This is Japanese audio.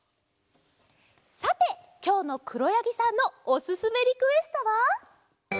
さてきょうのくろやぎさんのおすすめリクエストは？